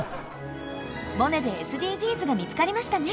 「モネ」でＳＤＧｓが見つかりましたね！